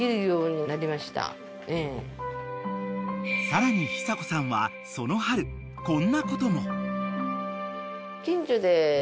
［さらに久子さんはその春こんなことも］